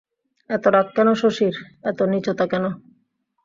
এত রাগ কেন শশীর, এত নীচতা কেন?